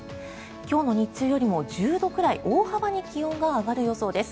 今日の日中よりも１０度くらい大幅に気温が上がる予想です。